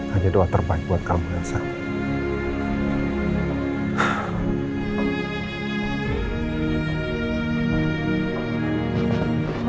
hanya doa terbaik buat kamu yang sama